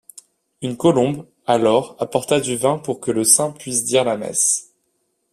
Une colombe alors apporta du vin pour que le saint puisse dire la messe.